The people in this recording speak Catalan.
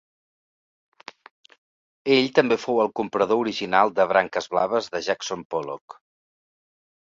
Ell també fou el comprador original de Branques blaves de Jackson Pollock.